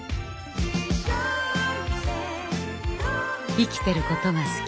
生きてることが好き。